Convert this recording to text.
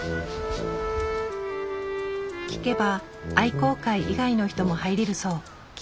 聞けば愛好会以外の人も入れるそう。